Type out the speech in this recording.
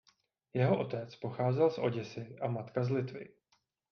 Jeho otec pocházel z Oděsy a matka z Litvy.